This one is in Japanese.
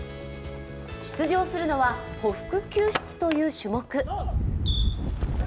出場するのはほふく救出という種目。